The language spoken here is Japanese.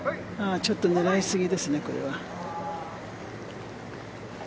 ちょっと狙いすぎですね、これは。